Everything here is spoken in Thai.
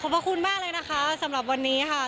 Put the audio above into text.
พระคุณมากเลยนะคะสำหรับวันนี้ค่ะ